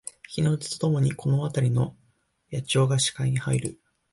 日の出とともにこのあたりの野鳥が視界に入る